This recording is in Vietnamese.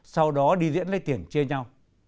sau đó đi diễn lấy tiền chia nhau